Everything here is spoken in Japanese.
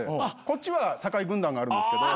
こっちは酒井軍団があるんですけど。